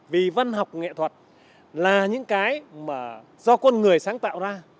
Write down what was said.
vì văn học nghệ thuật là những cái mà do con người sáng tạo ra